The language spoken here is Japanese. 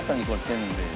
せんべい。